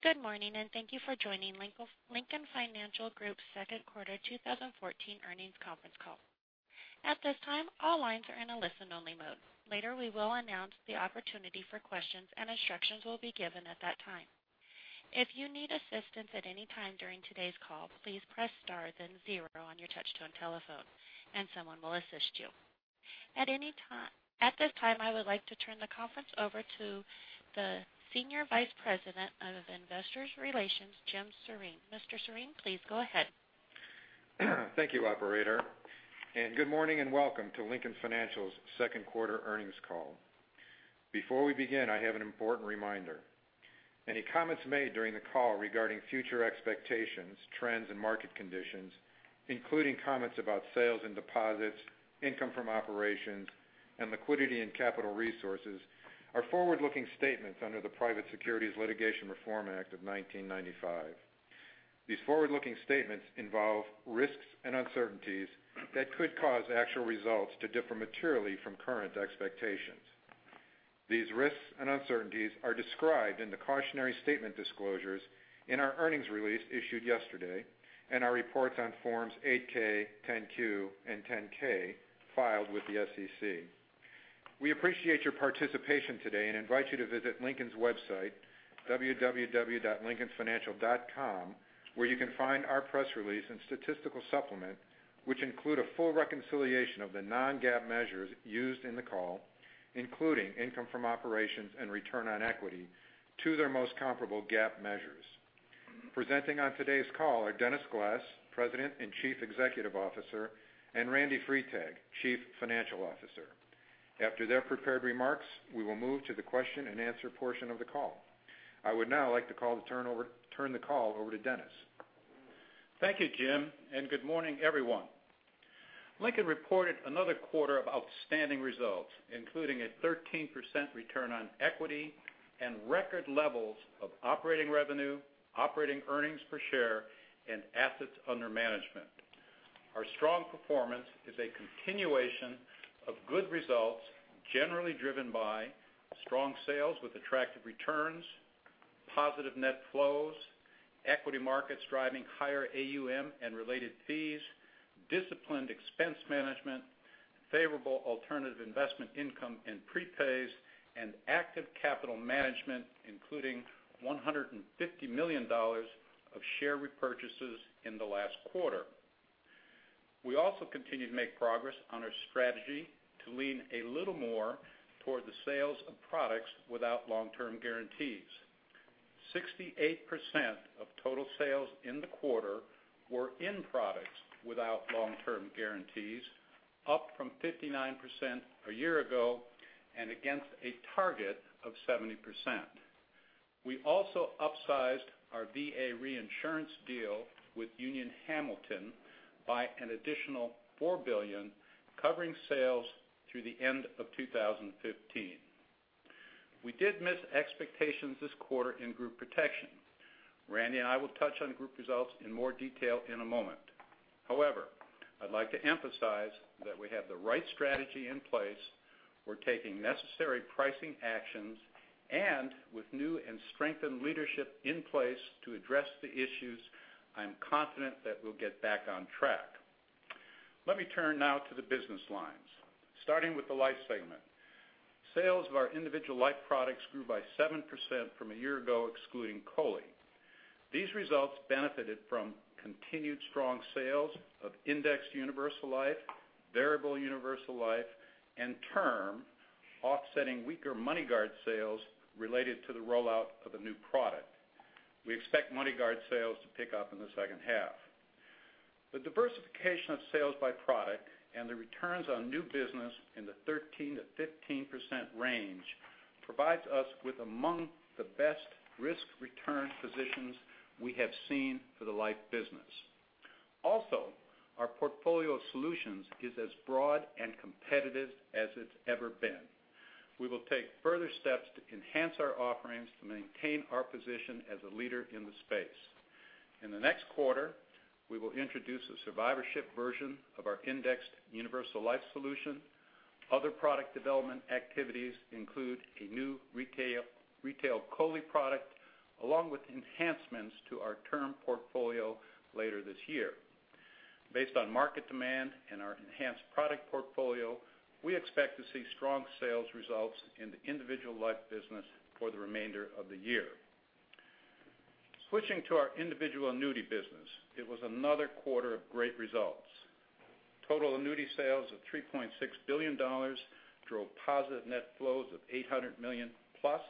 Good morning, and thank you for joining Lincoln Financial Group's second quarter 2014 earnings conference call. At this time, all lines are in a listen-only mode. Later, we will announce the opportunity for questions, and instructions will be given at that time. If you need assistance at any time during today's call, please press star then zero on your touch-tone telephone, and someone will assist you. At this time, I would like to turn the conference over to the Senior Vice President of Investor Relations, Jim Sjoreen. Mr. Sjoreen, please go ahead. Thank you, operator, good morning, and welcome to Lincoln Financial's second quarter earnings call. Before we begin, I have an important reminder. Any comments made during the call regarding future expectations, trends, and market conditions, including comments about sales and deposits, income from operations, and liquidity and capital resources, are forward-looking statements under the Private Securities Litigation Reform Act of 1995. These forward-looking statements involve risks and uncertainties that could cause actual results to differ materially from current expectations. These risks and uncertainties are described in the cautionary statement disclosures in our earnings release issued yesterday and our reports on forms 8-K, 10-Q, and 10-K filed with the SEC. We appreciate your participation today and invite you to visit Lincoln's website, www.lincolnfinancial.com, where you can find our press release and statistical supplement, which include a full reconciliation of the non-GAAP measures used in the call, including income from operations and return on equity to their most comparable GAAP measures. Presenting on today's call are Dennis Glass, President and Chief Executive Officer, and Randy Freitag, Chief Financial Officer. After their prepared remarks, we will move to the question-and-answer portion of the call. I would now like to turn the call over to Dennis. Thank you, Jim, good morning, everyone. Lincoln reported another quarter of outstanding results, including a 13% return on equity and record levels of operating revenue, operating earnings per share, and assets under management. Our strong performance is a continuation of good results, generally driven by strong sales with attractive returns, positive net flows, equity markets driving higher AUM and related fees, disciplined expense management, favorable alternative investment income and prepays, and active capital management, including $150 million of share repurchases in the last quarter. We also continue to make progress on our strategy to lean a little more toward the sales of products without long-term guarantees. 68% of total sales in the quarter were in products without long-term guarantees, up from 59% a year ago and against a target of 70%. We also upsized our VA reinsurance deal with Union Hamilton by an additional $4 billion, covering sales through the end of 2015. We did miss expectations this quarter in Group Protection. Randy and I will touch on group results in more detail in a moment. However, I'd like to emphasize that we have the right strategy in place. We're taking necessary pricing actions and with new and strengthened leadership in place to address the issues, I'm confident that we'll get back on track. Let me turn now to the business lines. Starting with the Life segment. Sales of our individual life products grew by 7% from a year ago, excluding COLI. These results benefited from continued strong sales of indexed universal life, variable universal life, and term offsetting weaker MoneyGuard sales related to the rollout of a new product. We expect MoneyGuard sales to pick up in the second half. The diversification of sales by product and the returns on new business in the 13%-15% range provides us with among the best risk-return positions we have seen for the Life business. Also, our portfolio of solutions is as broad and competitive as it's ever been. We will take further steps to enhance our offerings to maintain our position as a leader in the space. In the next quarter, we will introduce a survivorship version of our indexed universal life solution. Other product development activities include a new retail COLI product, along with enhancements to our term portfolio later this year. Based on market demand and our enhanced product portfolio, we expect to see strong sales results in the Individual Life business for the remainder of the year. Switching to our Individual Annuity business, it was another quarter of great results. Total annuity sales of $3.6 billion drove positive net flows of $800 million plus.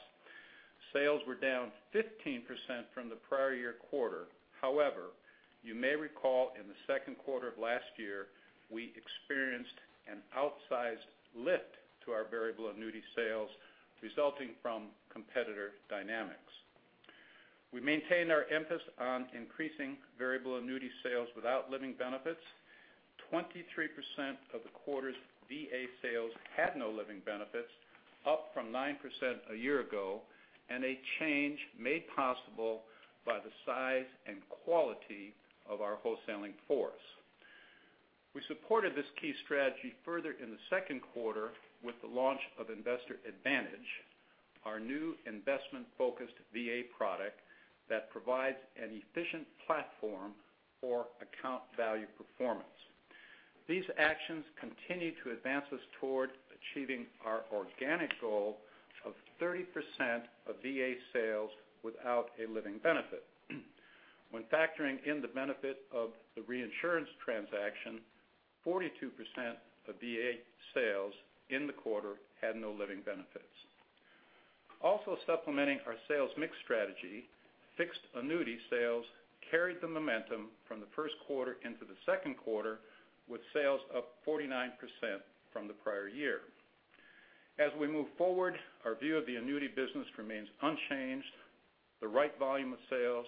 Sales were down 15% from the prior year quarter. However, you may recall in the second quarter of last year, we experienced an outsized lift to our variable annuity sales resulting from competitor dynamics. We maintained our emphasis on increasing variable annuity sales without living benefits. 23% of the quarter's VA sales had no living benefits, up from 9% a year ago, and a change made possible by the size and quality of our wholesaling force. We supported this key strategy further in the second quarter with the launch of Investor Advantage, our new investment-focused VA product that provides an efficient platform for account value performance. These actions continue to advance us toward achieving our organic goal of 30% of VA sales without a living benefit. When factoring in the benefit of the reinsurance transaction, 42% of VA sales in the quarter had no living benefits. Also supplementing our sales mix strategy, fixed annuity sales carried the momentum from the first quarter into the second quarter, with sales up 49% from the prior year. As we move forward, our view of the annuity business remains unchanged. The right volume of sales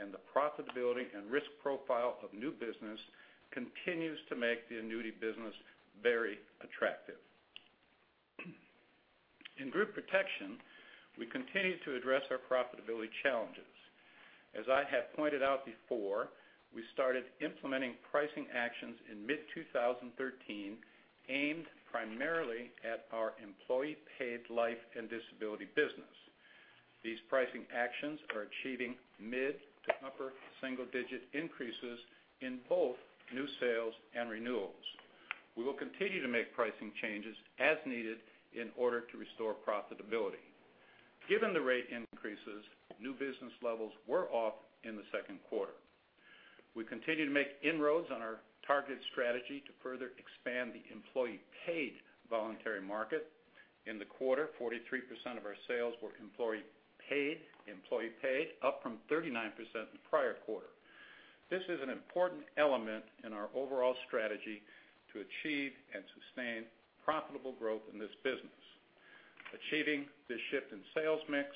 and the profitability and risk profile of new business continues to make the annuity business very attractive. In Group Protection, we continue to address our profitability challenges. As I have pointed out before, we started implementing pricing actions in mid-2013, aimed primarily at our employee-paid life and disability business. These pricing actions are achieving mid- to upper single-digit increases in both new sales and renewals. We will continue to make pricing changes as needed in order to restore profitability. Given the rate increases, new business levels were off in the second quarter. We continue to make inroads on our targeted strategy to further expand the employee-paid voluntary market. In the quarter, 43% of our sales were employee-paid, up from 39% in the prior quarter. This is an important element in our overall strategy to achieve and sustain profitable growth in this business. Achieving this shift in sales mix,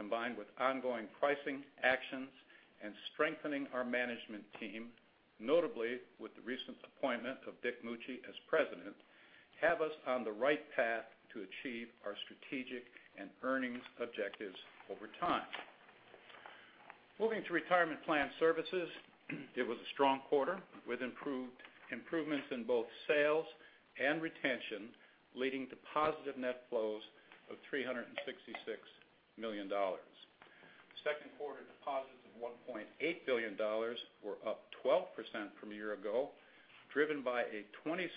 combined with ongoing pricing actions and strengthening our management team, notably with the recent appointment of Dick Mucci as President, have us on the right path to achieve our strategic and earnings objectives over time. Moving to retirement plan services, it was a strong quarter with improvements in both sales and retention, leading to positive net flows of $366 million. Second quarter deposits of $1.8 billion were up 12% from a year ago, driven by a 27%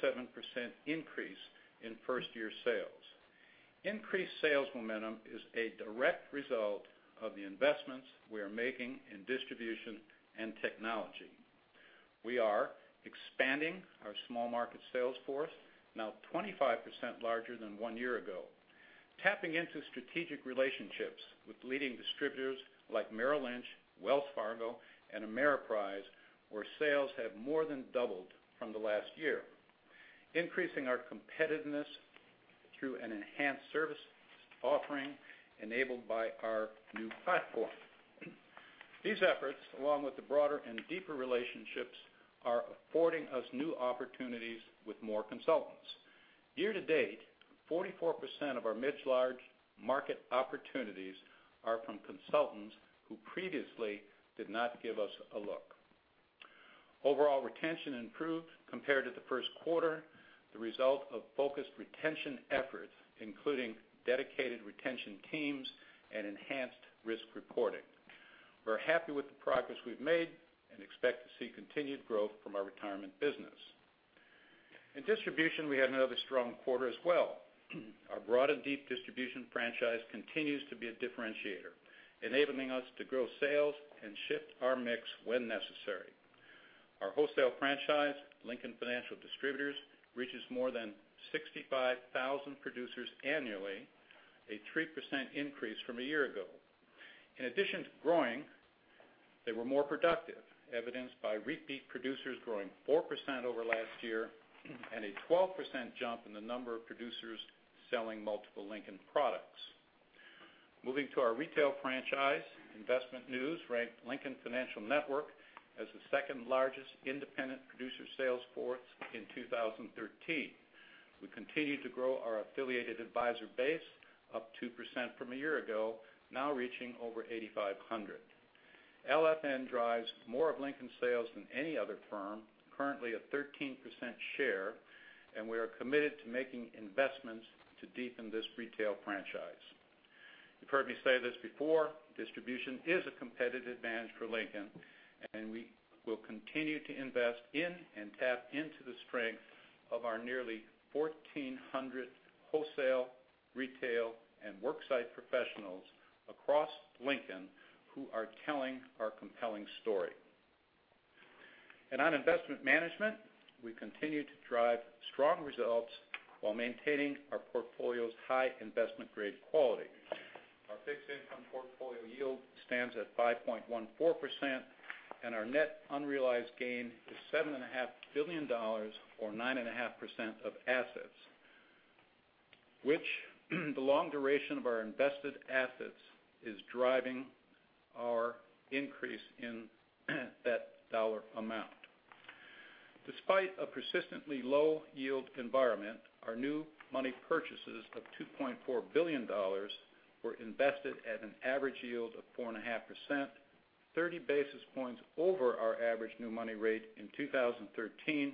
increase in first-year sales. Increased sales momentum is a direct result of the investments we are making in distribution and technology. We are expanding our small market sales force, now 25% larger than one year ago. Tapping into strategic relationships with leading distributors like Merrill Lynch, Wells Fargo, and Ameriprise, where sales have more than doubled from the last year. Increasing our competitiveness through an enhanced service offering enabled by our new platform. These efforts, along with the broader and deeper relationships, are affording us new opportunities with more consultants. Year to date, 44% of our mid to large market opportunities are from consultants who previously did not give us a look. Overall retention improved compared to the first quarter, the result of focused retention efforts, including dedicated retention teams and enhanced risk reporting. We're happy with the progress we've made and expect to see continued growth from our retirement business. In distribution, we had another strong quarter as well. Our broad and deep distribution franchise continues to be a differentiator, enabling us to grow sales and shift our mix when necessary. Our wholesale franchise, Lincoln Financial Distributors, reaches more than 65,000 producers annually, a 3% increase from a year ago. In addition to growing, they were more productive, evidenced by repeat producers growing 4% over last year and a 12% jump in the number of producers selling multiple Lincoln products. Moving to our retail franchise, InvestmentNews ranked Lincoln Financial Network as the second largest independent producer sales force in 2013. We continue to grow our affiliated advisor base up 2% from a year ago, now reaching over 8,500. LFN drives more of Lincoln sales than any other firm, currently at 13% share, and we are committed to making investments to deepen this retail franchise. You've heard me say this before, distribution is a competitive advantage for Lincoln, and we will continue to invest in and tap into the strength of our nearly 1,400 wholesale, retail, and worksite professionals across Lincoln who are telling our compelling story. On investment management, we continue to drive strong results while maintaining our portfolio's high investment-grade quality. Our fixed income portfolio yield stands at 5.14%, and our net unrealized gain is $7.5 billion or 9.5% of assets, which the long duration of our invested assets is driving our increase in that dollar amount. Despite a persistently low yield environment, our new money purchases of $2.4 billion were invested at an average yield of 4.5% 30 basis points over our average new money rate in 2013,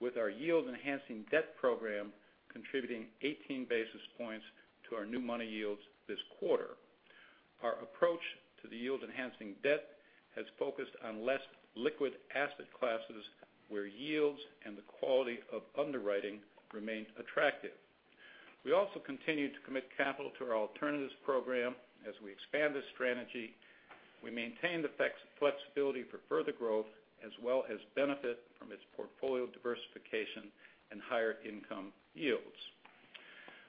with our yield-enhancing debt program contributing 18 basis points to our new money yields this quarter. Our approach to the yield-enhancing debt has focused on less liquid asset classes where yields and the quality of underwriting remain attractive. We also continue to commit capital to our alternatives program as we expand this strategy. We maintain the flexibility for further growth as well as benefit from its portfolio diversification and higher income yields.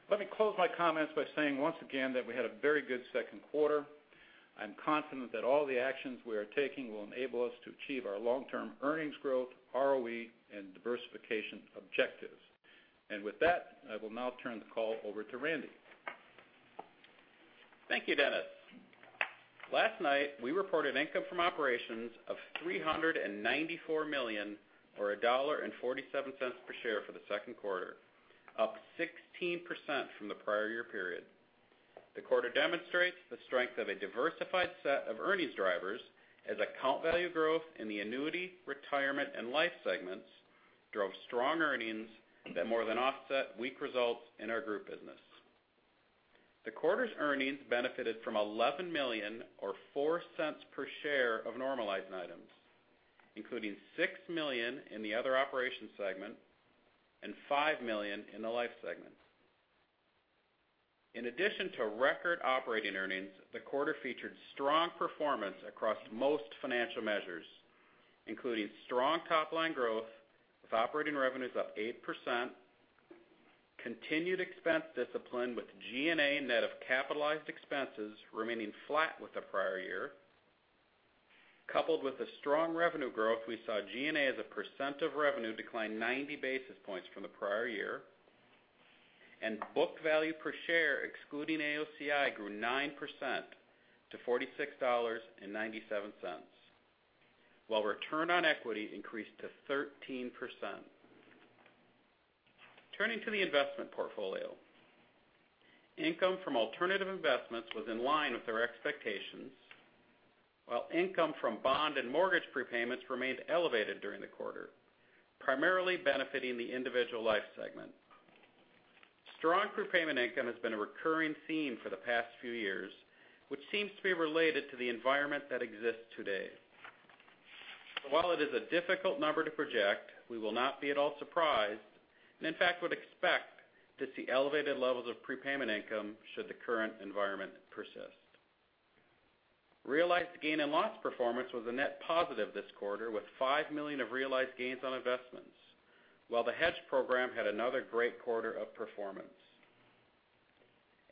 Let me close my comments by saying once again that we had a very good second quarter. I'm confident that all the actions we are taking will enable us to achieve our long-term earnings growth, ROE, and diversification objectives. With that, I will now turn the call over to Randy. Thank you, Dennis. Last night, we reported income from operations of $394 million, or $1.47 per share for the second quarter, up 16% from the prior year period. The quarter demonstrates the strength of a diversified set of earnings drivers as account value growth in the annuity, retirement, and life segments drove strong earnings that more than offset weak results in our group business. The quarter's earnings benefited from $11 million or $0.04 per share of normalized items, including $6 million in the other operations segment and $5 million in the life segment. In addition to record operating earnings, the quarter featured strong performance across most financial measures, including strong top-line growth, with operating revenues up 8%, continued expense discipline with G&A net of capitalized expenses remaining flat with the prior year. Coupled with the strong revenue growth, we saw G&A as a percent of revenue decline 90 basis points from the prior year. Book value per share, excluding AOCI, grew 9% to $46.97, while return on equity increased to 13%. Turning to the investment portfolio, income from alternative investments was in line with our expectations, while income from bond and mortgage prepayments remained elevated during the quarter, primarily benefiting the individual life segment. Strong prepayment income has been a recurring theme for the past few years, which seems to be related to the environment that exists today. While it is a difficult number to project, we will not be at all surprised, and in fact would expect to see elevated levels of prepayment income should the current environment persist. Realized gain and loss performance was a net positive this quarter with $5 million of realized gains on investments, while the hedge program had another great quarter of performance.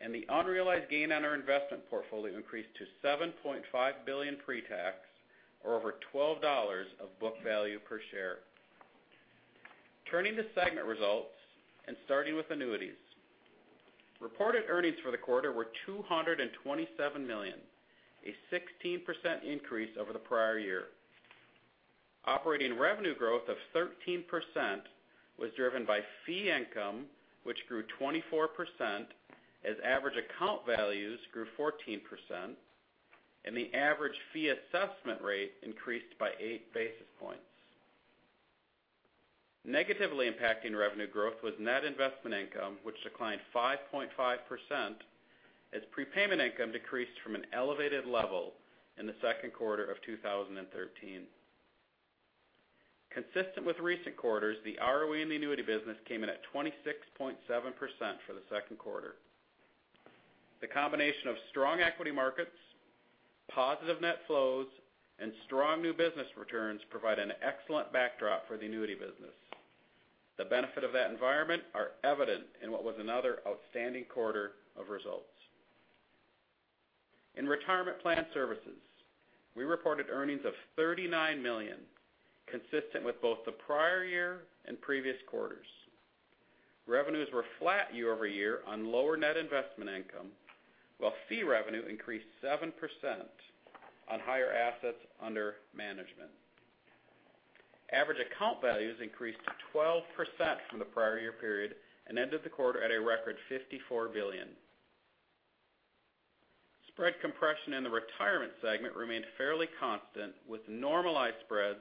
The unrealized gain on our investment portfolio increased to $7.5 billion pre-tax or over $12 of book value per share. Turning to segment results and starting with annuities. Reported earnings for the quarter were $227 million, a 16% increase over the prior year. Operating revenue growth of 13% was driven by fee income, which grew 24% as average account values grew 14%, and the average fee assessment rate increased by eight basis points. Negatively impacting revenue growth was net investment income, which declined 5.5% as prepayment income decreased from an elevated level in the second quarter of 2013. Consistent with recent quarters, the ROE in the annuity business came in at 26.7% for the second quarter. The combination of strong equity markets, positive net flows, and strong new business returns provide an excellent backdrop for the annuity business. The benefit of that environment are evident in what was another outstanding quarter of results. In Retirement Plan Services, we reported earnings of $39 million, consistent with both the prior year and previous quarters. Revenues were flat year-over-year on lower net investment income, while fee revenue increased 7% on higher assets under management. Average account values increased to 12% from the prior year period and ended the quarter at a record $54 billion. Spread compression in the retirement segment remained fairly constant, with normalized spreads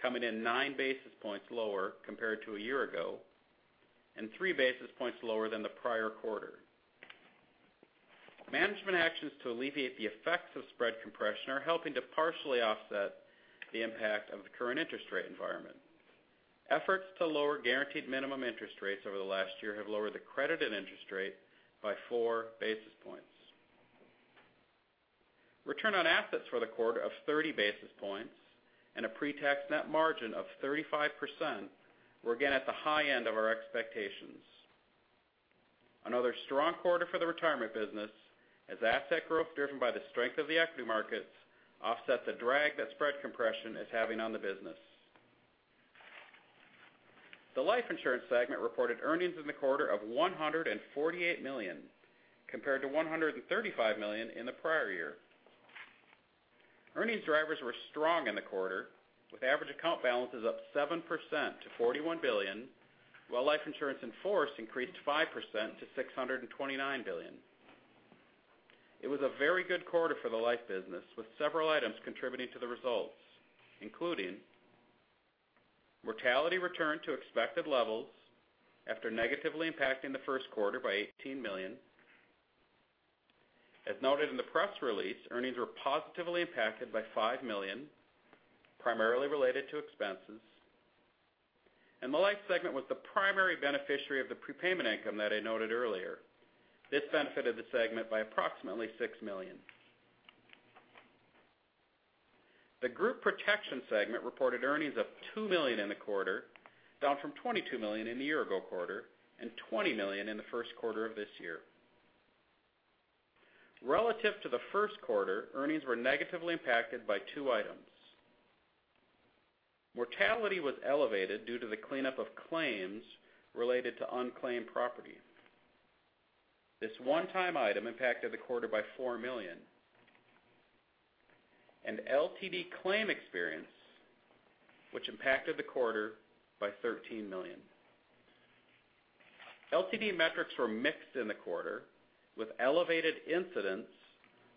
coming in nine basis points lower compared to a year ago and three basis points lower than the prior quarter. Management actions to alleviate the effects of spread compression are helping to partially offset the impact of the current interest rate environment. Efforts to lower guaranteed minimum interest rates over the last year have lowered the credited interest rate by four basis points. Return on assets for the quarter of 30 basis points and a pre-tax net margin of 35% were again at the high end of our expectations. Another strong quarter for the retirement business as asset growth driven by the strength of the equity markets offset the drag that spread compression is having on the business. The life insurance segment reported earnings in the quarter of $148 million compared to $135 million in the prior year. Earnings drivers were strong in the quarter, with average account balances up 7% to $41 billion while life insurance in force increased 5% to $629 billion. It was a very good quarter for the life business, with several items contributing to the results, including mortality return to expected levels after negatively impacting the first quarter by $18 million. As noted in the press release, earnings were positively impacted by $5 million, primarily related to expenses. The life segment was the primary beneficiary of the prepayment income that I noted earlier. This benefited the segment by approximately $6 million. The Group Protection segment reported earnings of $2 million in the quarter, down from $22 million in the year-ago quarter and $20 million in the first quarter of this year. Relative to the first quarter, earnings were negatively impacted by two items. Mortality was elevated due to the cleanup of claims related to unclaimed property. This one-time item impacted the quarter by $4 million and LTD claim experience, which impacted the quarter by $13 million. LTD metrics were mixed in the quarter with elevated incidents,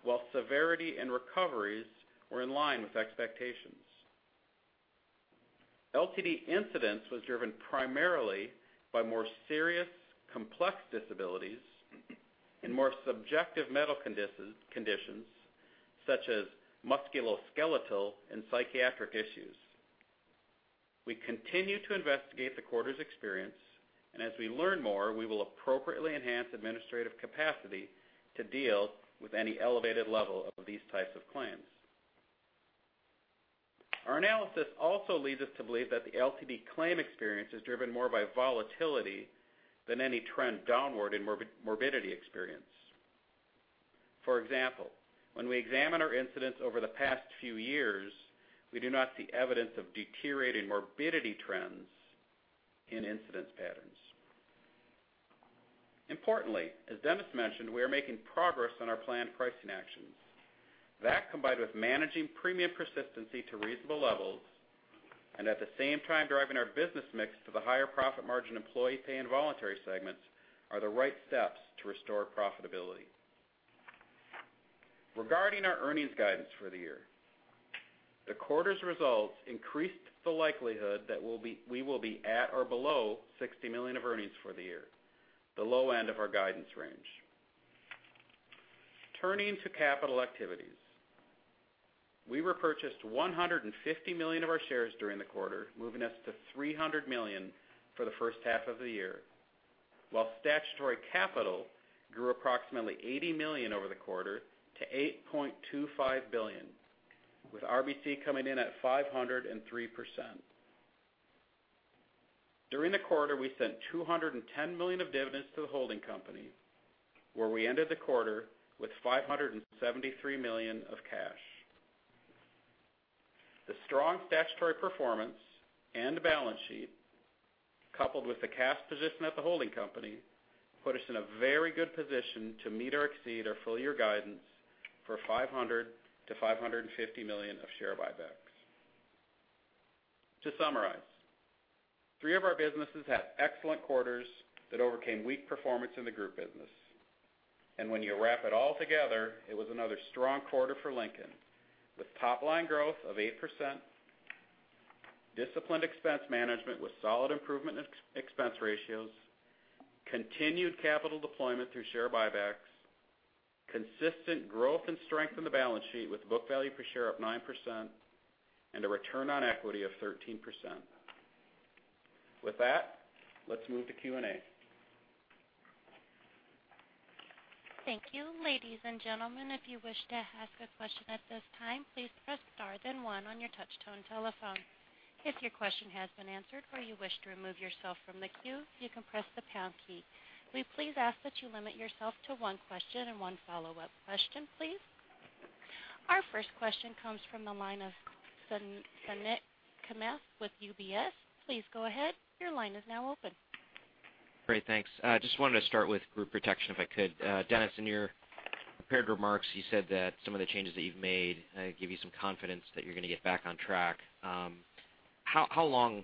while severity and recoveries were in line with expectations. LTD incidents was driven primarily by more serious, complex disabilities and more subjective mental conditions such as musculoskeletal and psychiatric issues. We continue to investigate the quarter's experience, and as we learn more, we will appropriately enhance administrative capacity to deal with any elevated level of these types of claims. Our analysis also leads us to believe that the LTD claim experience is driven more by volatility than any trend downward in morbidity experience. For example, when we examine our incidents over the past few years, we do not see evidence of deteriorating morbidity trends in incidence patterns. Importantly, as Dennis mentioned, we are making progress on our planned pricing actions. That, combined with managing premium persistency to reasonable levels and at the same time driving our business mix to the higher profit margin employee pay and voluntary segments are the right steps to restore profitability. Regarding our earnings guidance for the year, the quarter's results increased the likelihood that we will be at or below $60 million of earnings for the year, the low end of our guidance range. Turning to capital activities. We repurchased $150 million of our shares during the quarter, moving us to $300 million for the first half of the year. While statutory capital grew approximately $80 million over the quarter to $8.25 billion, with RBC coming in at 503%. During the quarter, we sent $210 million of dividends to the holding company, where we ended the quarter with $573 million of cash. The strong statutory performance and balance sheet, coupled with the cash position at the holding company, put us in a very good position to meet or exceed our full-year guidance for $500 million-$550 million of share buybacks. To summarize, three of our businesses had excellent quarters that overcame weak performance in the group business. When you wrap it all together, it was another strong quarter for Lincoln with top line growth of 8%, disciplined expense management with solid improvement in expense ratios, continued capital deployment through share buybacks, consistent growth and strength in the balance sheet with book value per share up 9%, and a return on equity of 13%. With that, let's move to Q&A. Thank you. Ladies and gentlemen, if you wish to ask a question at this time, please press star then one on your touchtone telephone. If your question has been answered or you wish to remove yourself from the queue, you can press the pound key. We please ask that you limit yourself to one question and one follow-up question, please. Our first question comes from the line of Suneet Kamath with UBS. Please go ahead. Your line is now open. Great. Thanks. I just wanted to start with group protection, if I could. Dennis, in your prepared remarks, you said that some of the changes that you've made give you some confidence that you're going to get back on track. How long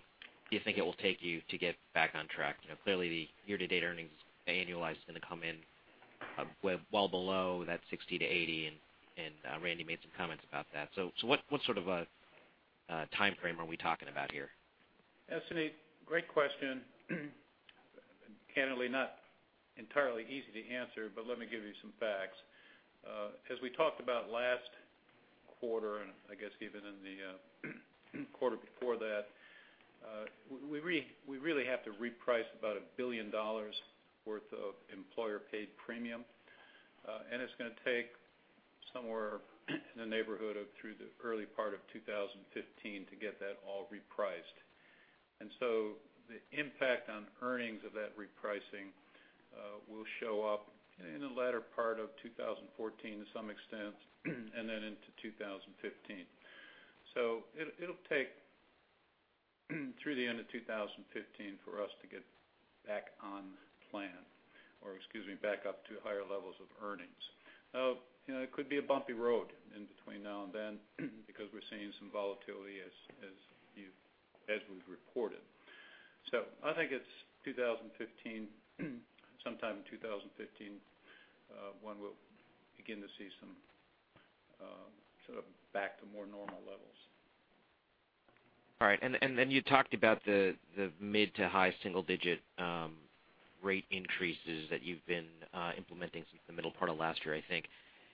do you think it will take you to get back on track? Clearly, the year-to-date earnings annualized is going to come in well below that $60-$80, and Randy made some comments about that. What sort of a timeframe are we talking about here? Suneet, great question. Cannily not entirely easy to answer, let me give you some facts. As we talked about last quarter, and I guess even in the quarter before that, we really have to reprice about $1 billion worth of employer-paid premium. It's going to take somewhere in the neighborhood of through the early part of 2015 to get that all repriced. The impact on earnings of that repricing will show up in the latter part of 2014 to some extent and then into 2015. It'll take through the end of 2015 for us to get back on plan. Excuse me, back up to higher levels of earnings. It could be a bumpy road in between now and then because we're seeing some volatility as we've reported. I think it's 2015, sometime in 2015, one will begin to see some sort of back to more normal levels. All right. You talked about the mid to high single-digit rate increases that you've been implementing since the middle part of last year, I think.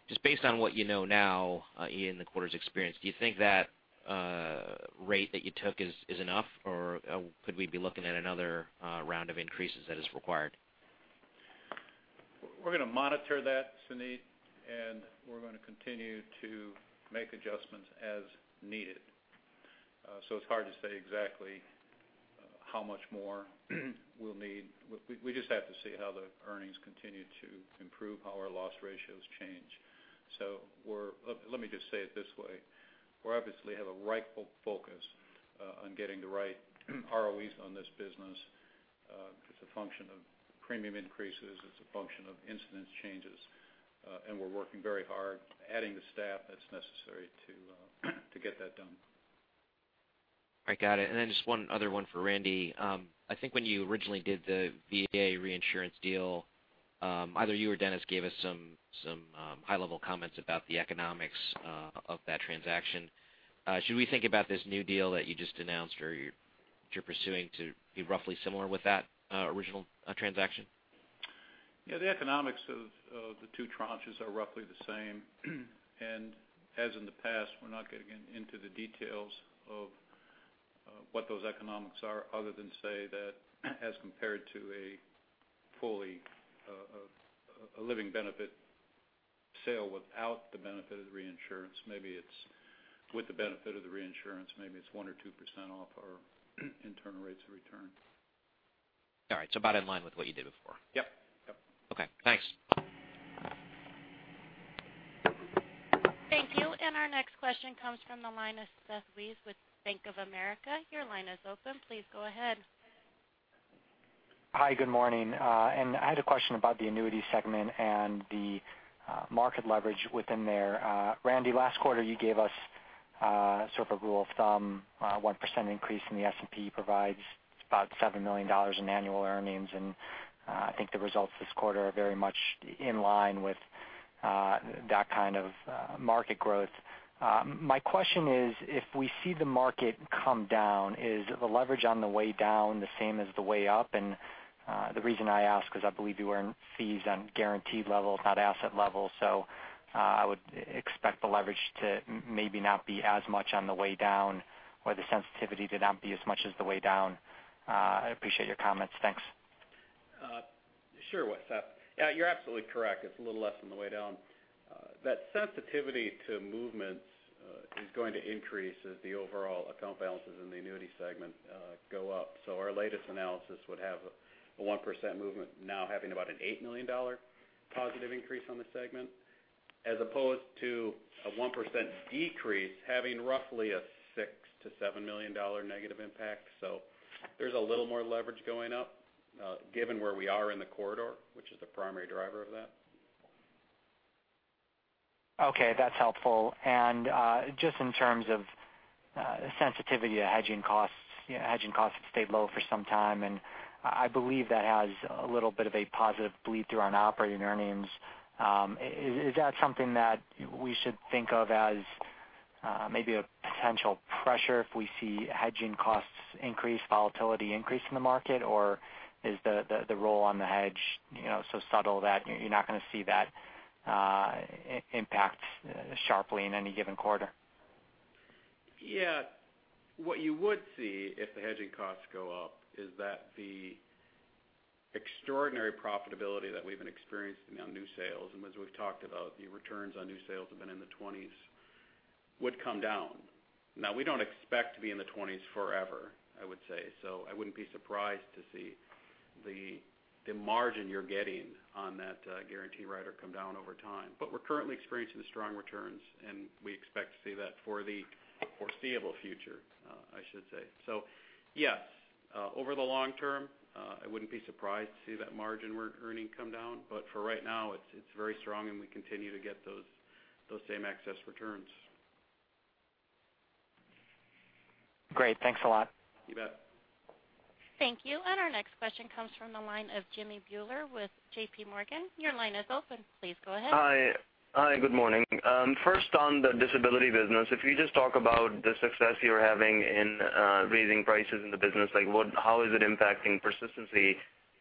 Just based on what you know now, Ian, the quarter's experience, do you think that rate that you took is enough, or could we be looking at another round of increases that is required? We're going to monitor that, Suneet, we're going to continue to make adjustments as needed. It's hard to say exactly how much more we'll need. We just have to see how the earnings continue to improve, how our loss ratios change. Let me just say it this way. We obviously have a rightful focus on getting the right ROEs on this business. It's a function of premium increases, it's a function of incidence changes. We're working very hard, adding the staff that's necessary to get that done. I got it. Just one other one for Randy. I think when you originally did the VA reinsurance deal, either you or Dennis gave us some high-level comments about the economics of that transaction. Should we think about this new deal that you just announced, or you're pursuing to be roughly similar with that original transaction? Yeah. The economics of the two tranches are roughly the same. As in the past, we're not getting into the details of what those economics are, other than say that as compared to a living benefit sale without the benefit of the reinsurance, maybe it's with the benefit of the reinsurance, maybe it's 1% or 2% off our internal rates of return. All right. About in line with what you did before. Yep. Okay, thanks. Thank you. Our next question comes from the line of Seth Weiss with Bank of America. Your line is open. Please go ahead. Hi, good morning. I had a question about the annuity segment and the market leverage within there. Randy, last quarter you gave us sort of a rule of thumb, 1% increase in the S&P provides about $7 million in annual earnings. I think the results this quarter are very much in line with that kind of market growth. My question is, if we see the market come down, is the leverage on the way down the same as the way up? The reason I ask, because I believe you earn fees on guaranteed level, not asset level. I would expect the leverage to maybe not be as much on the way down or the sensitivity to not be as much as the way down. I appreciate your comments. Thanks. Sure, Seth. You're absolutely correct. It's a little less on the way down. That sensitivity to movements is going to increase as the overall account balances in the annuity segment go up. Our latest analysis would have a 1% movement now having about an $8 million positive increase on the segment, as opposed to a 1% decrease, having roughly a six to seven million dollar negative impact. There's a little more leverage going up, given where we are in the corridor, which is the primary driver of that. Okay. That's helpful. Just in terms of sensitivity to hedging costs, hedging costs have stayed low for some time, I believe that has a little bit of a positive bleed through on operating earnings. Is that something that we should think of as maybe a potential pressure if we see hedging costs increase, volatility increase in the market? Is the role on the hedge so subtle that you're not going to see that impact sharply in any given quarter? Yeah. What you would see if the hedging costs go up is that the extraordinary profitability that we've been experiencing on new sales, and as we've talked about, the returns on new sales have been in the 20s, would come down. We don't expect to be in the 20s forever, I would say. I wouldn't be surprised to see the margin you're getting on that guarantee rider come down over time. We're currently experiencing strong returns, and we expect to see that for the foreseeable future, I should say. Yes, over the long term, I wouldn't be surprised to see that margin we're earning come down. For right now, it's very strong, and we continue to get those same excess returns. Great. Thanks a lot. You bet. Thank you. Our next question comes from the line of Jimmy Bhullar with JPMorgan. Your line is open. Please go ahead. Hi. Good morning. First on the disability business, if you just talk about the success you're having in raising prices in the business, how is it impacting persistency?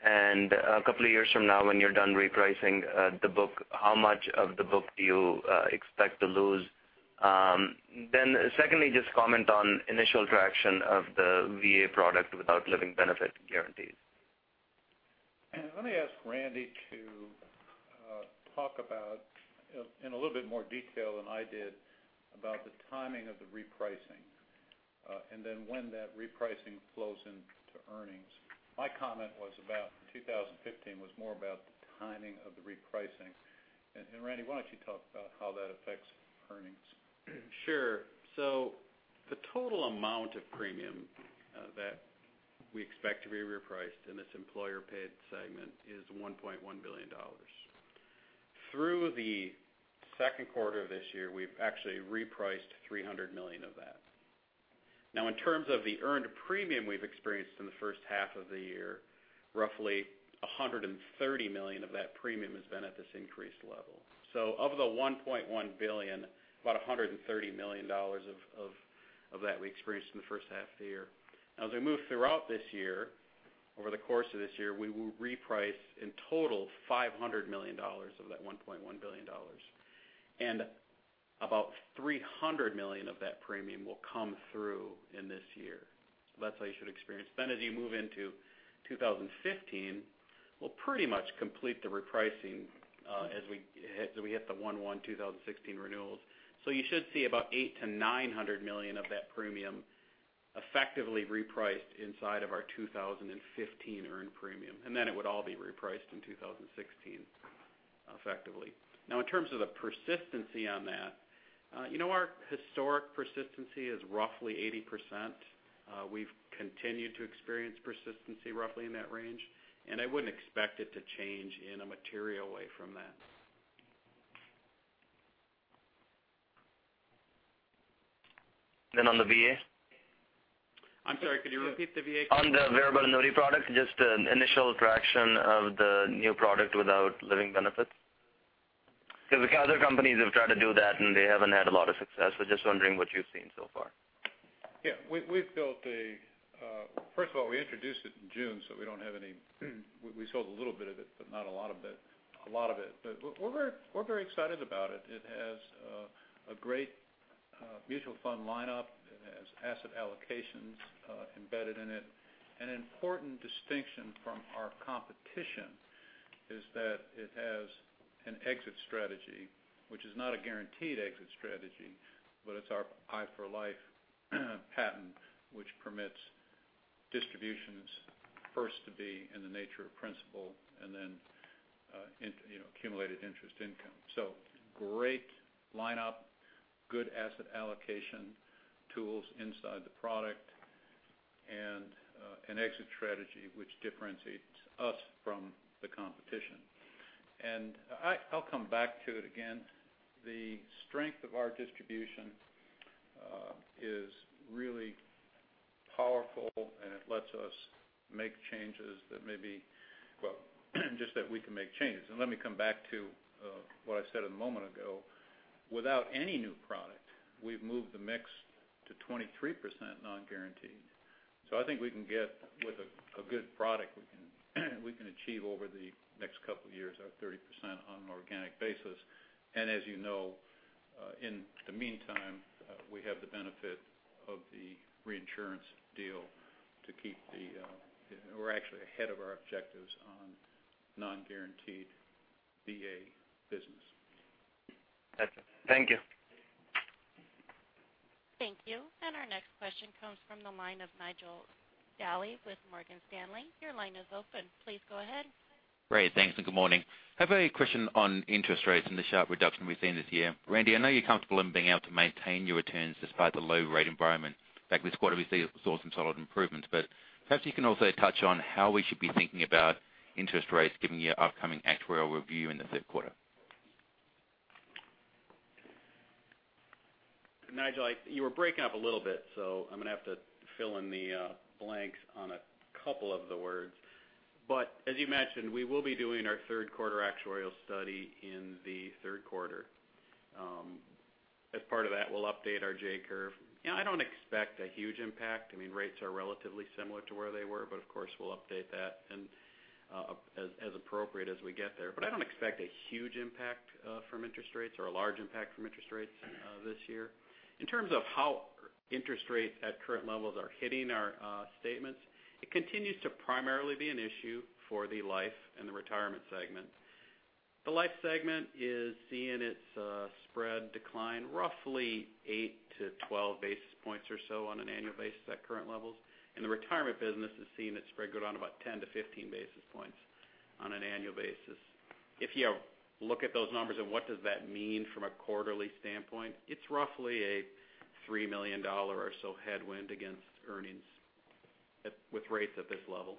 A couple of years from now when you're done repricing the book, how much of the book do you expect to lose? Secondly, just comment on initial traction of the VA product without living benefit guarantees. Let me ask Randy to talk about, in a little bit more detail than I did, about the timing of the repricing. Then when that repricing flows into earnings. My comment was about 2015, was more about the timing of the repricing. Randy, why don't you talk about how that affects earnings? Sure. The total amount of premium that we expect to be repriced in this employer-paid segment is $1.1 billion. Through the second quarter of this year, we've actually repriced $300 million of that. In terms of the earned premium we've experienced in the first half of the year, roughly $130 million of that premium has been at this increased level. Of the $1.1 billion, about $130 million of that we experienced in the first half of the year. As we move throughout this year, over the course of this year, we will reprice, in total, $500 million of that $1.1 billion. About $300 million of that premium will come through in this year. That's how you should experience. As you move into 2015, we'll pretty much complete the repricing as we hit the 1/1/2016 renewals. You should see about $800 million-$900 million of that premium effectively repriced inside of our 2015 earned premium. Then it would all be repriced in 2016 effectively. In terms of the persistency on that, our historic persistency is roughly 80%. We've continued to experience persistency roughly in that range, and I wouldn't expect it to change in a material way from that. On the VA? I'm sorry, could you repeat the VA question? On the variable annuity product, just initial traction of the new product without living benefits. Other companies have tried to do that, and they haven't had a lot of success. Just wondering what you've seen so far. Yeah. First of all, we introduced it in June, so we sold a little bit of it, but not a lot of it. We're very excited about it. It has a great mutual fund lineup. It has asset allocations embedded in it. An important distinction from our competition is that it has an exit strategy, which is not a guaranteed exit strategy, but it's our i4LIFE patent, which permits distributions first to be in the nature of principal and then accumulated interest income. Great lineup, good asset allocation tools inside the product, and an exit strategy which differentiates us from the competition. I'll come back to it again. The strength of our distribution is really powerful, and it lets us make changes that maybe just that we can make changes. Let me come back to what I said a moment ago. Without any new product, we've moved the mix to 23% non-guaranteed. I think with a good product, we can achieve over the next couple of years our 30% on an organic basis. As you know, in the meantime, we have the benefit of the reinsurance deal. We're actually ahead of our objectives on non-guaranteed VA business. That's it. Thank you. Thank you. Our next question comes from the line of Nigel Dally with Morgan Stanley. Your line is open. Please go ahead. Great. Thanks, good morning. I have a question on interest rates and the sharp reduction we've seen this year. Randy, I know you're comfortable in being able to maintain your returns despite the low rate environment. In fact, this quarter we saw some solid improvements. Perhaps you can also touch on how we should be thinking about interest rates given your upcoming actuarial review in the third quarter. Nigel, you were breaking up a little bit, I'm going to have to fill in the blanks on a couple of the words. As you mentioned, we will be doing our third quarter actuarial study in the third quarter. As part of that, we'll update our J-curve. I don't expect a huge impact. Rates are relatively similar to where they were. Of course, we'll update that as appropriate as we get there. I don't expect a huge impact from interest rates or a large impact from interest rates this year. In terms of how interest rates at current levels are hitting our statements, it continues to primarily be an issue for the life and the retirement segment. The life segment is seeing its spread decline roughly 8-12 basis points or so on an annual basis at current levels. The retirement business is seeing its spread go down about 10-15 basis points on an annual basis. If you look at those numbers and what does that mean from a quarterly standpoint, it's roughly a $3 million or so headwind against earnings with rates at this level.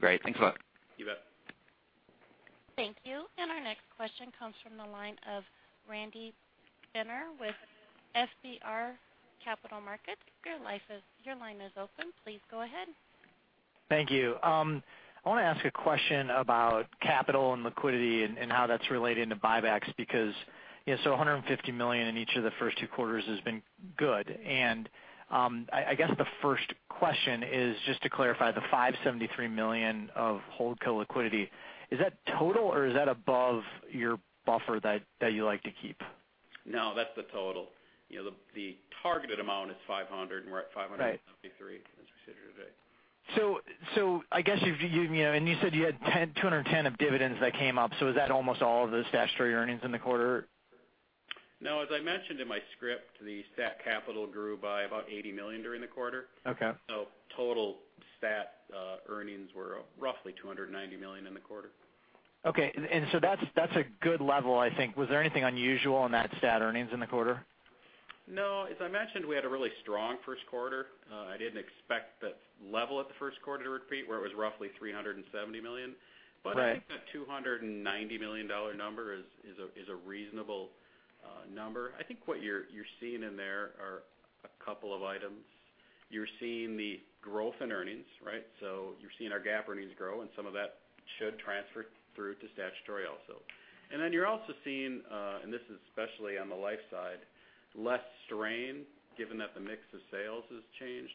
Great. Thanks a lot. You bet. Thank you. Our next question comes from the line of Randy Binner with FBR Capital Markets. Your line is open. Please go ahead. Thank you. I want to ask a question about capital and liquidity and how that's relating to buybacks because $150 million in each of the first two quarters has been good. I guess the first question is just to clarify the $573 million of holdco liquidity. Is that total or is that above your buffer that you like to keep? No, that's the total. The targeted amount is $500, and we're at $573 as we sit here today. You said you had $210 of dividends that came up. Is that almost all of the statutory earnings in the quarter? No, as I mentioned in my script, the stat capital grew by about $80 million during the quarter. Okay. Total stat earnings were roughly $290 million in the quarter. Okay. That's a good level, I think. Was there anything unusual in that stat earnings in the quarter? No. As I mentioned, we had a really strong first quarter. I didn't expect that level at the first quarter to repeat where it was roughly $370 million. Right. I think that $290 million number is a reasonable number. I think what you're seeing in there are a couple of items. You're seeing the growth in earnings, right? You're seeing our GAAP earnings grow, and some of that should transfer through to statutory also. You're also seeing, and this is especially on the life side, less strain given that the mix of sales has changed.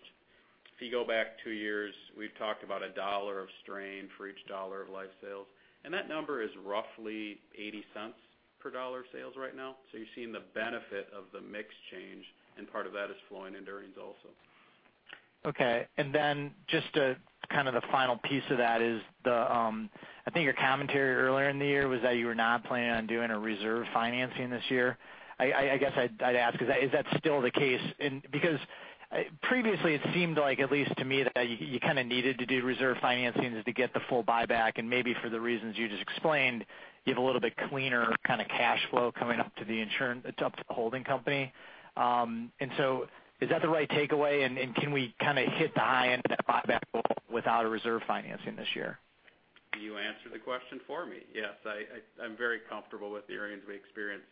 If you go back two years, we've talked about a dollar of strain for each dollar of life sales, and that number is roughly $0.80 per dollar of sales right now. You're seeing the benefit of the mix change, and part of that is flowing into earnings also. Okay. Just kind of the final piece of that is, I think your commentary earlier in the year was that you were not planning on doing a reserve financing this year. I guess I'd ask, is that still the case? Because previously it seemed like, at least to me, that you kind of needed to do reserve financings to get the full buyback and maybe for the reasons you just explained, you have a little bit cleaner kind of cash flow coming up to the holding company. Is that the right takeaway? Can we kind of hit the high end of that buyback goal without a reserve financing this year? You answered the question for me. Yes, I'm very comfortable with the earnings we experienced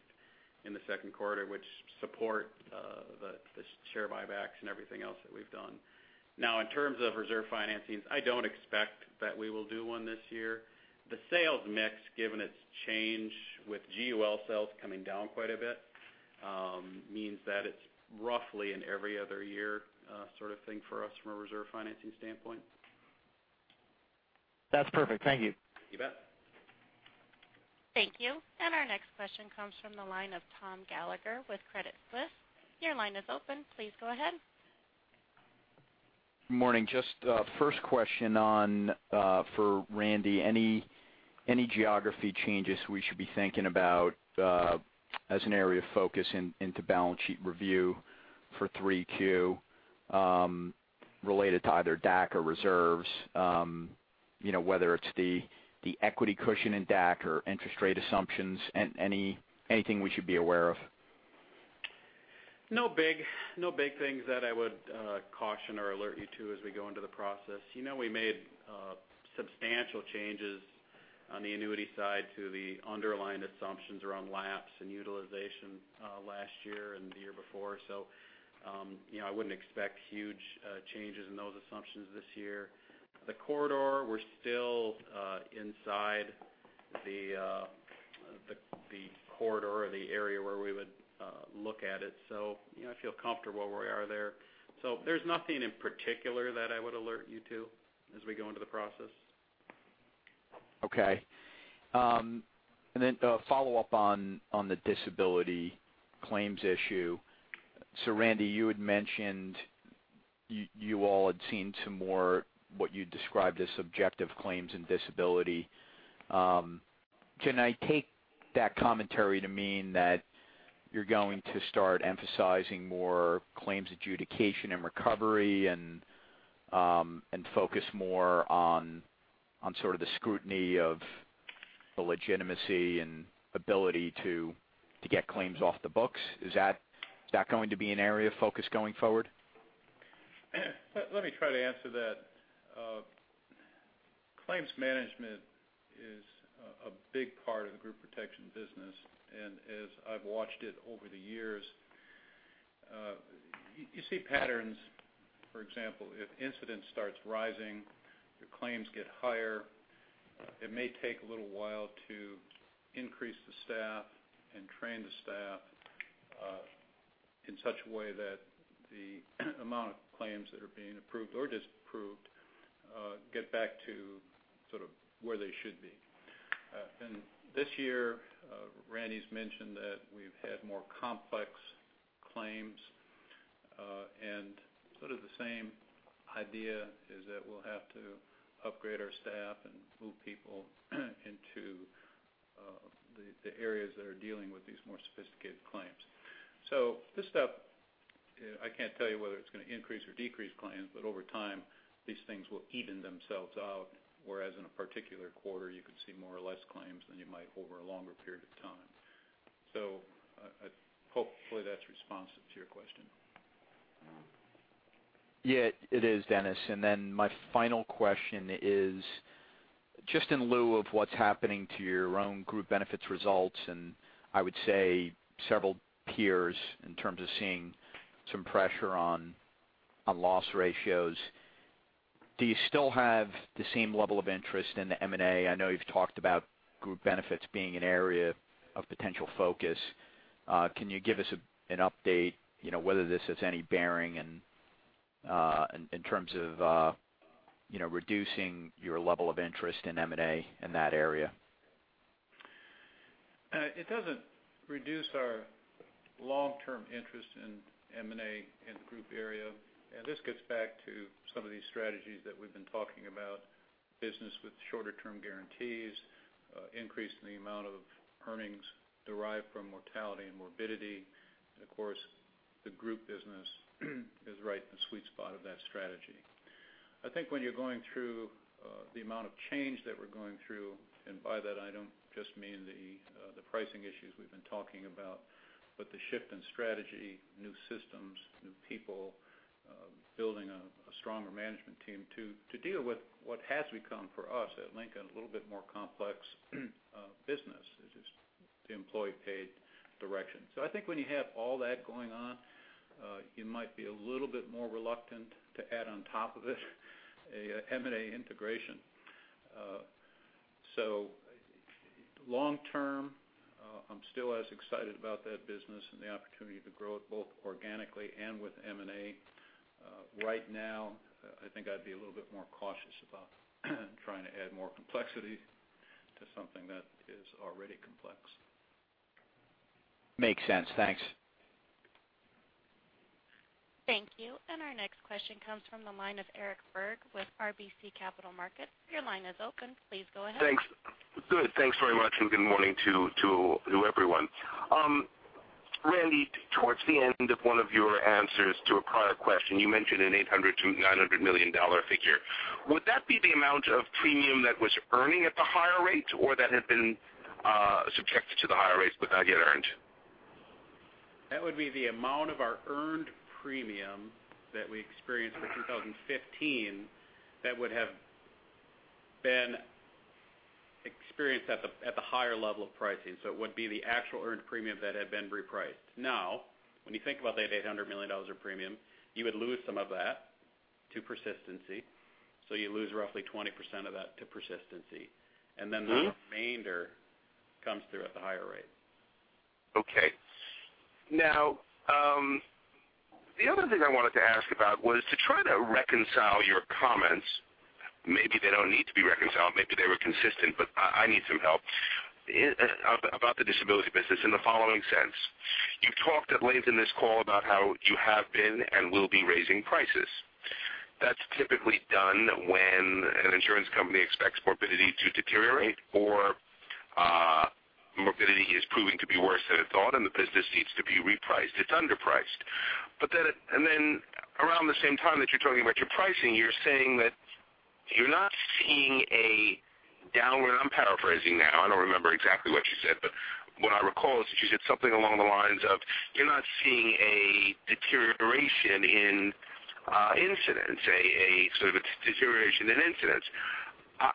in the second quarter, which support the share buybacks and everything else that we've done. In terms of reserve financings, I don't expect that we will do one this year. The sales mix, given its change with GUL sales coming down quite a bit, means that it's roughly an every other year sort of thing for us from a reserve financing standpoint. That's perfect. Thank you. You bet. Thank you. Our next question comes from the line of Tom Gallagher with Credit Suisse. Your line is open. Please go ahead. Morning. Just a first question for Randy. Any geography changes we should be thinking about as an area of focus into balance sheet review for three Q related to either DAC or reserves? Whether it's the equity cushion in DAC or interest rate assumptions. Anything we should be aware of? No big things that I would caution or alert you to as we go into the process. We made substantial changes on the annuity side to the underlying assumptions around lapse and utilization last year and the year before. I wouldn't expect huge changes in those assumptions this year. The corridor, we're still inside the corridor or the area where we would look at it. I feel comfortable where we are there. There's nothing in particular that I would alert you to as we go into the process. A follow-up on the disability claims issue. Randy, you had mentioned you all had seen some more, what you described as subjective claims in disability. Can I take that commentary to mean that you're going to start emphasizing more claims adjudication and recovery, and focus more on sort of the scrutiny of the legitimacy and ability to get claims off the books? Is that going to be an area of focus going forward? Let me try to answer that. Claims management is a big part of the Group Protection business, as I've watched it over the years, you see patterns. For example, if incidents start rising, your claims get higher. It may take a little while to increase the staff and train the staff in such a way that the amount of claims that are being approved or disapproved get back to sort of where they should be. This year, Randy's mentioned that we've had more complex claims. Sort of the same idea is that we'll have to upgrade our staff and move people into the areas that are dealing with these more sophisticated claims. This stuff, I can't tell you whether it's going to increase or decrease claims, but over time, these things will even themselves out, whereas in a particular quarter, you could see more or less claims than you might over a longer period of time. Hopefully that's responsive to your question. Yes, it is, Dennis. My final question is just in lieu of what's happening to your own Group Benefits results, and I would say several peers in terms of seeing some pressure on loss ratios, do you still have the same level of interest in the M&A? I know you've talked about Group Benefits being an area of potential focus. Can you give us an update, whether this has any bearing in terms of reducing your level of interest in M&A in that area? It doesn't reduce our long-term interest in M&A in the group area. This gets back to some of these strategies that we've been talking about. Business with shorter term guarantees, increase in the amount of earnings derived from mortality and morbidity. Of course, the group business is right in the sweet spot of that strategy. I think when you're going through the amount of change that we're going through, by that I don't just mean the pricing issues we've been talking about, but the shift in strategy, new systems, new people, building a stronger management team to deal with what has become for us at Lincoln, a little bit more complex business, is this the employee-paid direction. I think when you have all that going on, you might be a little bit more reluctant to add on top of it a M&A integration. Long term, I'm still as excited about that business and the opportunity to grow it both organically and with M&A. Right now, I think I'd be a little bit more cautious about trying to add more complexity to something that is already complex. Makes sense. Thanks. Thank you. Our next question comes from the line of Eric Berg with RBC Capital Markets. Your line is open. Please go ahead. Thanks. Good. Thanks very much, good morning to everyone. Randy, towards the end of one of your answers to a prior question, you mentioned an $800 to $900 million figure. Would that be the amount of premium that was earning at the higher rate, or that had been subjected to the higher rates but not yet earned? That would be the amount of our earned premium that we experienced for 2015 that would have been experienced at the higher level of pricing. It would be the actual earned premium that had been repriced. Now, when you think about that $800 million of premium, you would lose some of that to persistency. You lose roughly 20% of that to persistency. remainder comes through at the higher rate. Okay. The other thing I wanted to ask about was to try to reconcile your comments. Maybe they don't need to be reconciled, maybe they were consistent, but I need some help. About the disability business in the following sense. You've talked at length in this call about how you have been and will be raising prices. That's typically done when an insurance company expects morbidity to deteriorate or morbidity is proving to be worse than it thought, and the business needs to be repriced. It's underpriced. Around the same time that you're talking about your pricing, you're saying that you're not seeing a downward, I'm paraphrasing now, I don't remember exactly what you said, but what I recall is that you said something along the lines of, you're not seeing a deterioration in incidence, a sort of a deterioration in incidence.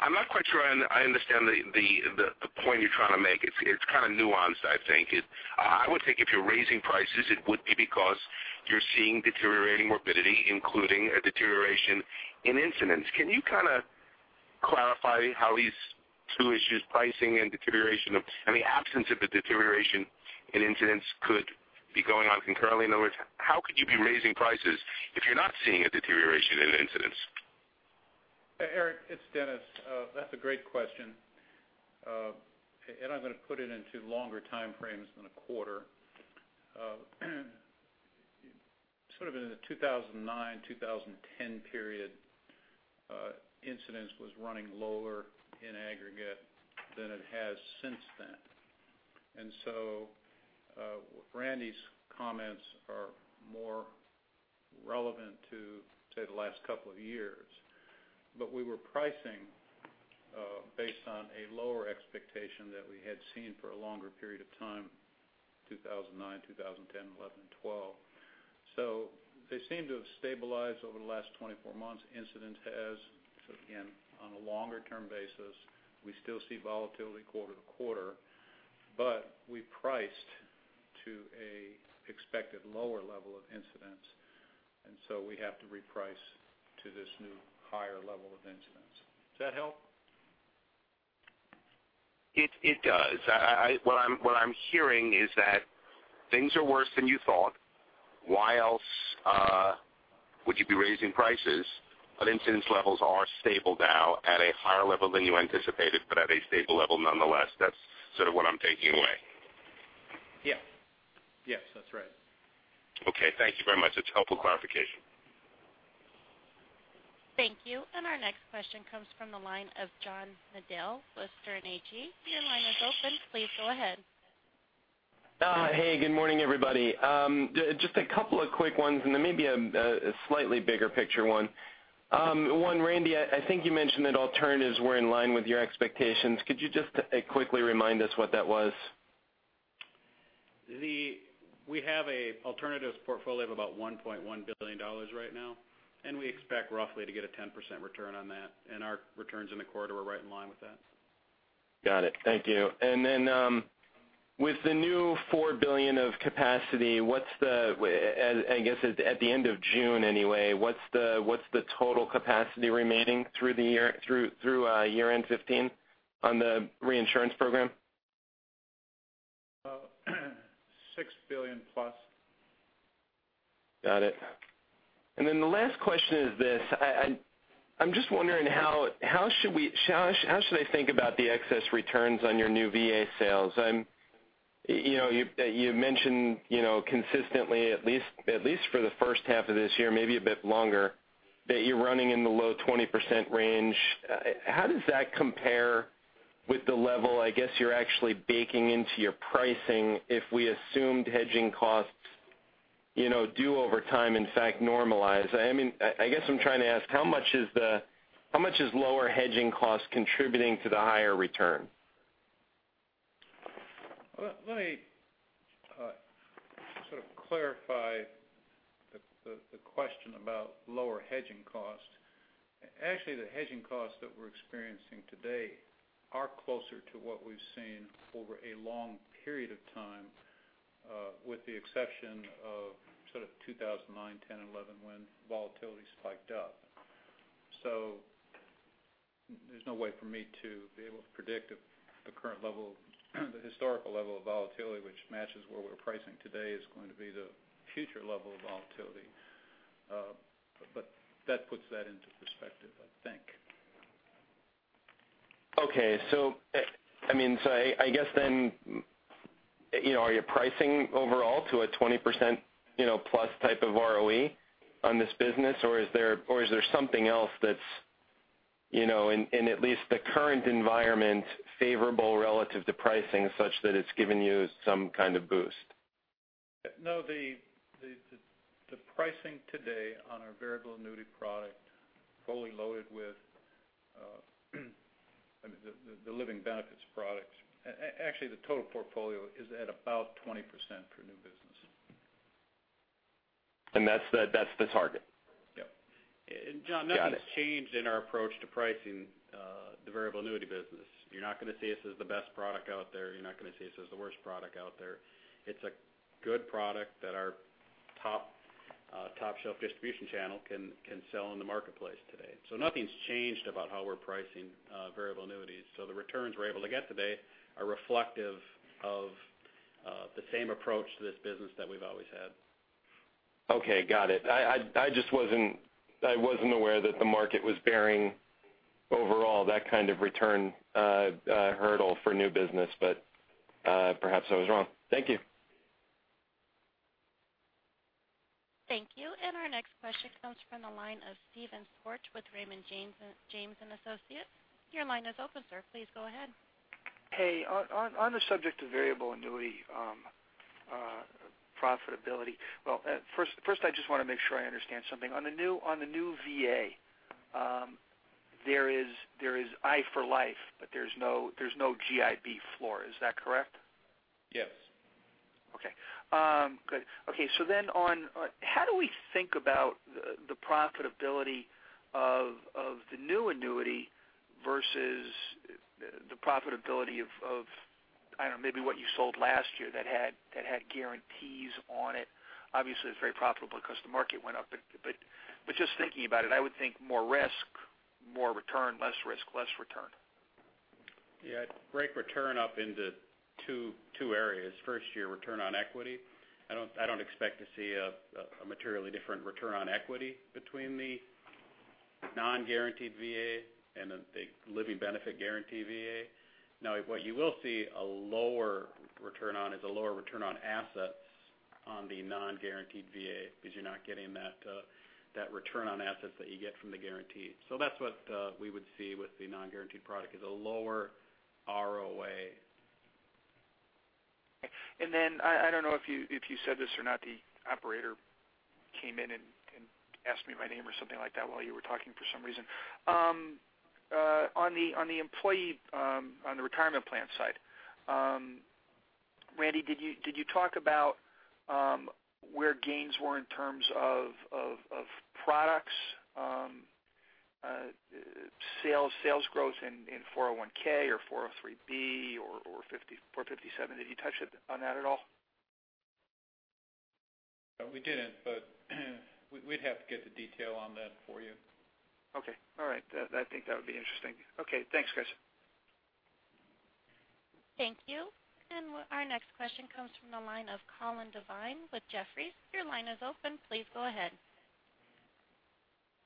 I'm not quite sure I understand the point you're trying to make. It's kind of nuanced, I think. I would think if you're raising prices, it would be because you're seeing deteriorating morbidity, including a deterioration in incidence. Can you kind of clarify how these two issues, pricing and deterioration of, I mean, absence of a deterioration in incidence could be going on concurrently? In other words, how could you be raising prices if you're not seeing a deterioration in incidence? Eric, it's Dennis. That's a great question. I'm going to put it into longer time frames than a quarter. Sort of in the 2009, 2010 period, incidence was running lower in aggregate than it has since then. Randy's comments are more relevant to, say, the last couple of years. We were pricing based on a lower expectation than we had seen for a longer period of time, 2009, 2010, '11, and '12. They seem to have stabilized over the last 24 months. Incidence has sort again, on a longer-term basis. We still see volatility quarter-to-quarter, but we priced to an expected lower level of incidence, we have to reprice to this new higher level of incidence. Does that help? It does. What I'm hearing is that things are worse than you thought. Why else would you be raising prices? Incidence levels are stable now at a higher level than you anticipated, but at a stable level nonetheless. That's sort of what I'm taking away. Yeah. Yes, that's right. Okay. Thank you very much. It's a helpful clarification. Thank you. Our next question comes from the line of John Nadel with Sterne Agee. Your line is open. Please go ahead. Hey, good morning, everybody. Just a couple of quick ones, and then maybe a slightly bigger picture one. One, Randy, I think you mentioned that alternatives were in line with your expectations. Could you just quickly remind us what that was? We have a alternatives portfolio of about $1.1 billion right now, and we expect roughly to get a 10% return on that, and our returns in the quarter were right in line with that. With the new $4 billion of capacity, I guess at the end of June anyway, what's the total capacity remaining through year-end 2015 on the reinsurance program? $6 billion plus. Got it. Then the last question is this. I'm just wondering how should I think about the excess returns on your new VA sales? I'm You mentioned consistently, at least for the first half of this year, maybe a bit longer, that you're running in the low 20% range. How does that compare with the level you're actually baking into your pricing if we assumed hedging costs do over time, in fact, normalize? I guess I'm trying to ask, how much is lower hedging costs contributing to the higher return? Let me sort of clarify the question about lower hedging costs. Actually, the hedging costs that we're experiencing today are closer to what we've seen over a long period of time with the exception of sort of 2009, 2010, and 2011, when volatility spiked up. There's no way for me to be able to predict if the historical level of volatility, which matches what we're pricing today, is going to be the future level of volatility. That puts that into perspective, I think. Okay. I guess then, are you pricing overall to a 20%-plus type of ROE on this business, or is there something else that's, in at least the current environment, favorable relative to pricing such that it's given you some kind of boost? No, the pricing today on our variable annuity product, fully loaded with the living benefits products, actually the total portfolio is at about 20% for new business. That's the target? Yep. Got it. John, nothing's changed in our approach to pricing the variable annuity business. You're not going to see us as the best product out there. You're not going to see us as the worst product out there. It's a good product that our top-shelf distribution channel can sell in the marketplace today. Nothing's changed about how we're pricing variable annuities. The returns we're able to get today are reflective of the same approach to this business that we've always had. Okay, got it. I just wasn't aware that the market was bearing overall that kind of return hurdle for new business, perhaps I was wrong. Thank you. Thank you. Our next question comes from the line of Steven Schwartz with Raymond James & Associates. Your line is open, sir. Please go ahead. Hey, on the subject of variable annuity profitability, well, first I just want to make sure I understand something. On the new VA, there is i4LIFE, but there's no GIB floor. Is that correct? Yes. Okay. Good. Okay. How do we think about the profitability of the new annuity versus the profitability of, I don't know, maybe what you sold last year that had guarantees on it. Obviously, it's very profitable because the market went up. Just thinking about it, I would think more risk, more return, less risk, less return. Yeah. I'd break return up into two areas. First, your return on equity. I don't expect to see a materially different return on equity between the non-guaranteed VA and the living benefit guarantee VA. What you will see a lower return on is a lower return on assets on the non-guaranteed VA because you're not getting that return on assets that you get from the guaranteed. That's what we would see with the non-guaranteed product, is a lower ROA. Okay. I don't know if you said this or not, the operator came in and asked me my name or something like that while you were talking for some reason. On the retirement plan side, Randy, did you talk about where gains were in terms of products, sales growth in 401 or 403 or 457? Did you touch on that at all? No, we didn't, but we'd have to get the detail on that for you. Okay. All right. I think that would be interesting. Okay, thanks, guys. Thank you. Our next question comes from the line of Colin Devine with Jefferies. Your line is open. Please go ahead.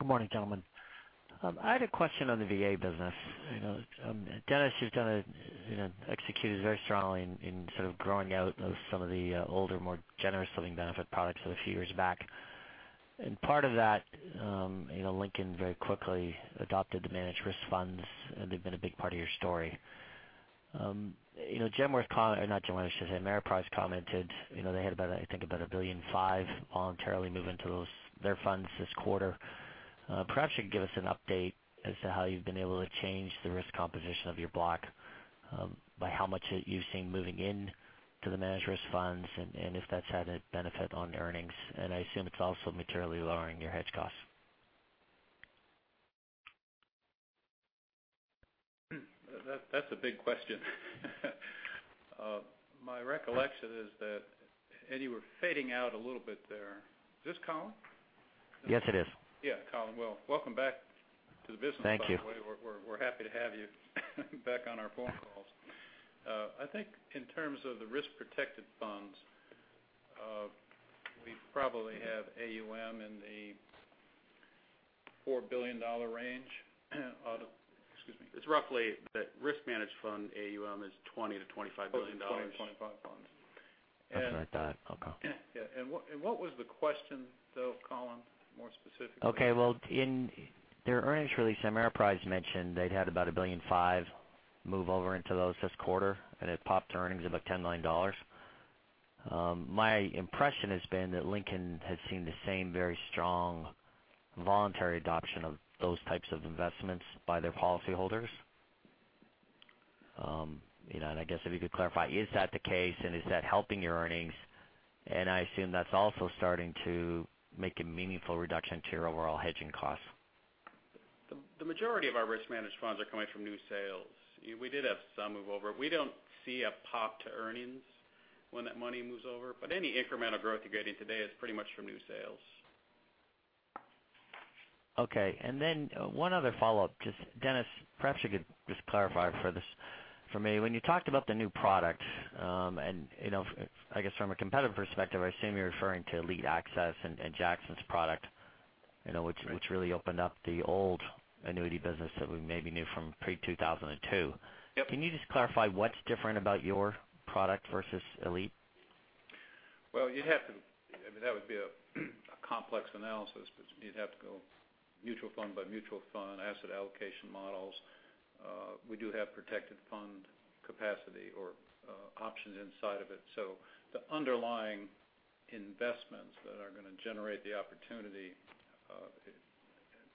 Good morning, gentlemen. I had a question on the VA business. Dennis, you've executed very strongly in sort of growing out of some of the older, more generous living benefit products from a few years back. Part of that, Lincoln very quickly adopted the managed risk funds, and they've been a big part of your story. Ameriprise commented they had, I think, about $1.5 billion voluntarily move into their funds this quarter. Perhaps you can give us an update as to how you've been able to change the risk composition of your block by how much you've seen moving into the managed risk funds and if that's had a benefit on earnings. I assume it's also materially lowering your hedge costs. That's a big question. My recollection is that, Eddie, we're fading out a little bit there. Is this Colin? Yes, it is. Yeah, Colin, well, welcome back to the business, by the way. Thank you. We're happy to have you back on our phone calls. I think in terms of the risk protection Probably have AUM in the $4 billion range. Excuse me. It's roughly the risk managed fund AUM is $20 billion-$25 billion. Oh, 20, 25 funds. That's what I thought. Okay. Yeah. What was the question, though, Colin, more specifically? Well, in their earnings release, Ameriprise mentioned they'd had about $1.5 billion move over into those this quarter, and it popped earnings of about $10 million. My impression has been that Lincoln has seen the same very strong voluntary adoption of those types of investments by their policyholders. I guess if you could clarify, is that the case, and is that helping your earnings? I assume that's also starting to make a meaningful reduction to your overall hedging costs. The majority of our risk-managed funds are coming from new sales. We did have some move over. We don't see a pop to earnings when that money moves over. Any incremental growth you're getting today is pretty much from new sales. Dennis, perhaps you could just clarify for this for me. When you talked about the new product, I guess from a competitive perspective, I assume you're referring to Elite Access and Jackson's product which really opened up the old annuity business that we maybe knew from pre-2002. Yep. Can you just clarify what's different about your product versus Elite? That would be a complex analysis, but you'd have to go mutual fund by mutual fund, asset allocation models. We do have protected fund capacity or options inside of it. The underlying investments that are going to generate the opportunity,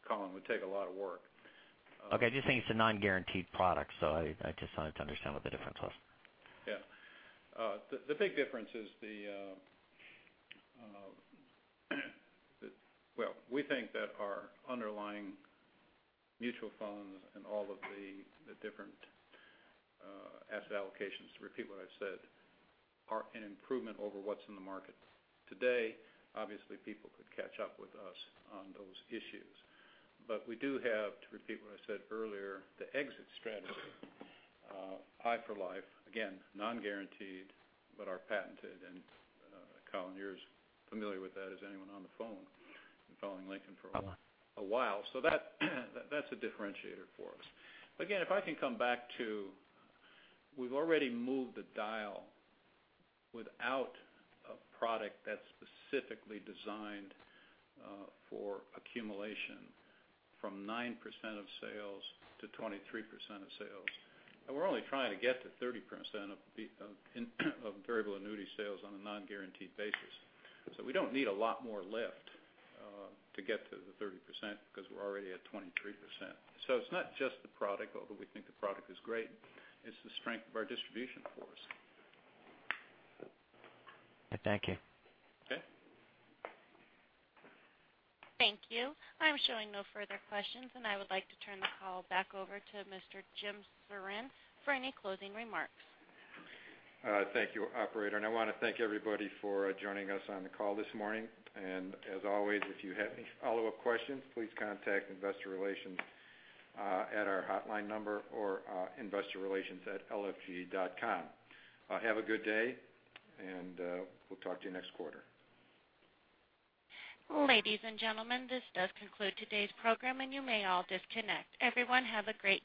Colin, would take a lot of work. I just think it's a non-guaranteed product, I just wanted to understand what the difference was. The big difference is, we think that our underlying mutual funds and all of the different asset allocations, to repeat what I said, are an improvement over what's in the market today. Obviously, people could catch up with us on those issues. We do have, to repeat what I said earlier, the exit strategy, i4LIFE, again, non-guaranteed, but are patented. Colin, you're as familiar with that as anyone on the phone in following Lincoln for a while. That's a differentiator for us. If I can come back to, we've already moved the dial without a product that's specifically designed for accumulation from 9% of sales to 23% of sales. We're only trying to get to 30% of variable annuity sales on a non-guaranteed basis. We don't need a lot more lift to get to the 30% because we're already at 23%. It's not just the product, although we think the product is great. It's the strength of our distribution force. Thank you. Okay. Thank you. I'm showing no further questions, and I would like to turn the call back over to Mr. Jim Sjoreen for any closing remarks. Thank you, operator, and I want to thank everybody for joining us on the call this morning. As always, if you have any follow-up questions, please contact investor relations at our hotline number or investorrelations@lfg.com. Have a good day, and we'll talk to you next quarter. Ladies and gentlemen, this does conclude today's program, and you may all disconnect. Everyone, have a great day.